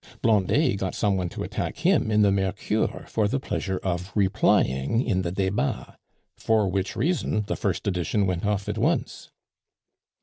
Blondet got some one to attack him in the Mercure for the pleasure of replying in the Debats. For which reason the first edition went off at once."